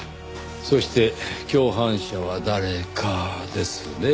そして共犯者は誰かですねぇ。